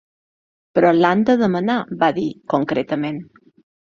Però l’han de demanar, va dir, concretament.